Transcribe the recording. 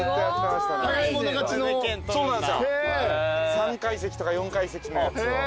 ３階席とか４階席のやつを。